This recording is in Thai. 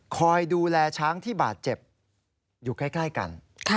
คอยดูแลช้างที่บาดเจ็บอยู่ใกล้กัน